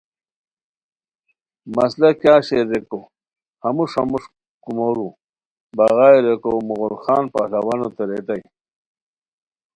مسئلہ کیاغ شیر ریکو ہموݰ ہموݰ کومورو بغائے ریکو مغل خان پہلوانوتے ریتائے